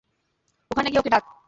ওখানে গিয়ে ওকে ডাক!